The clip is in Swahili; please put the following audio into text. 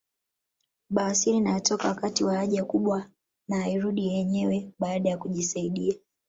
Bawasiri inayotoka wakati wa haja kubwa na hairudi yenyewe baada ya kujisaidia